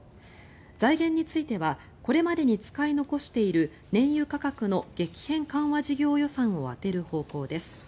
財源についてはこれまでに使い残している燃油価格の激変緩和事業予算を充てる方向です。